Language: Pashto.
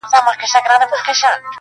د بل په اوږو مياشت گوري.